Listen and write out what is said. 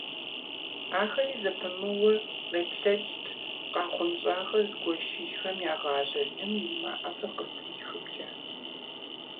Ахэри зэпымыууэ къеплъэкӀырт къахъунщӀахэр зыгуэшыжхэм ягъажьэ лым и мэ ӀэфӀыр къыздрихымкӀэ.